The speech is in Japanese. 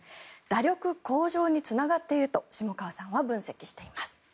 打力向上につながっていると下川さんは分析しています。